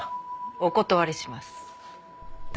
お断りします。